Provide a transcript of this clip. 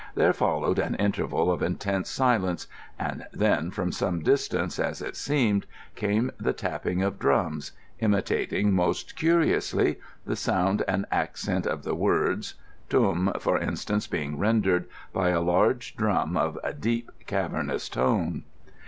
There followed an interval of intense silence, and then, from some distance, as it seemed, came the tapping of drums, imitating, most curiously, the sound and accent of the words; "tūm," for instance, being rendered by a large drum of deep, cavernous tone.